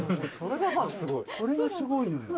それがすごいのよ。